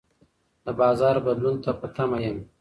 د بازار بدلون ته په تمه یم.